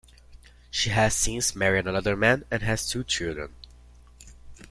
She has since married another man and has two children.